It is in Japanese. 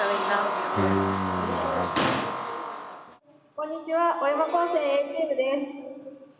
こんにちは小山高専Ａチームです。